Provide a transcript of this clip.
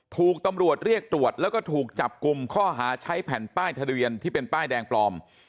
ถูกตำรวจเรียกตรวจแล้วก็ถูกจับกลุ่มข้อหาใช้แผ่นป้ายทะเบียนที่เป็นป้ายแดงปลอม